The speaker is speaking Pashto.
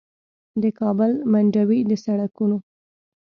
د کابل منډوي د سړکونو